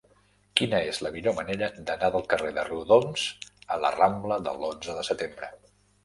Quina és la millor manera d'anar del carrer de Riudoms a la rambla de l'Onze de Setembre?